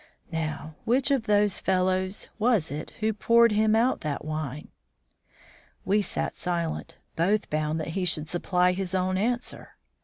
"Now, which of those fellows was it who poured him out that wine?" We sat silent; both bound that he should supply his own answer.